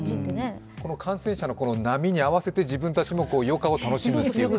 感染者の波に合わせて、自分たちも余暇を楽しむというか。